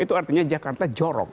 itu artinya jakarta jorok